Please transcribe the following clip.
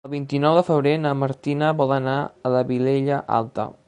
El vint-i-nou de febrer na Martina vol anar a la Vilella Alta.